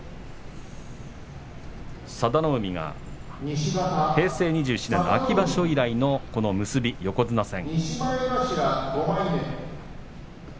佐田の海が平成２７年の秋場所以来の結び、横綱戦。